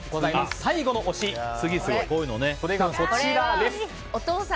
最後の推しがこちらです。